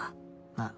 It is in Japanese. ああ。